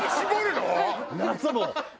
夏も？